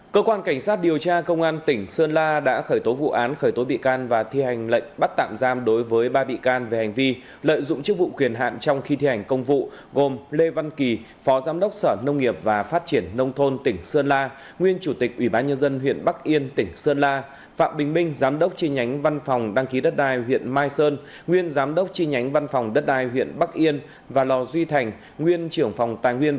cơ quan cảnh sát điều tra công an tỉnh sơn la đã khởi tố vụ án khởi tố bị can và thi hành lệnh bắt tạm giam đối với ba bị can về hành vi lợi dụng chức vụ quyền hạn trong khi thi hành công vụ gồm lê văn kỳ phó giám đốc sở nông nghiệp và phát triển nông thôn tỉnh sơn la nguyên chủ tịch ủy ban nhân dân huyện bắc yên tỉnh sơn la phạm bình minh giám đốc chi nhánh văn phòng đăng ký đất đai huyện mai sơn nguyên giám đốc chi nhánh văn phòng đất đai huyện bắc yên và lò duy thành nguyên trưởng phòng